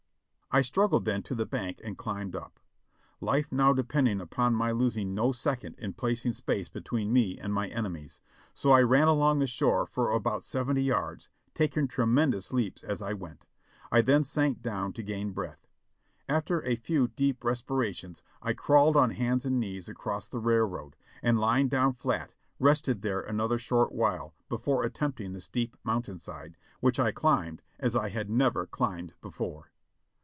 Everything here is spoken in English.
I struggled then to the bank and climbed up. Life now depended upon my losing no second in putting space between me and my enemies, so I ran along the shore for about seventy yards, taking tremendous leaps as I went. T then sank down to gain breath. After a few deep respirations THE THIRD ESCAPE 513 I crawled on hands and knees across the railroad, and lying down flat, rested there another short while before attempting the steep mountain side, which I climbed as I had never climbed before.